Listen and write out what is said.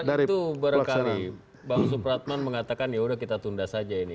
atas dasar itu berkali bang supratman mengatakan yaudah kita tunda saja ini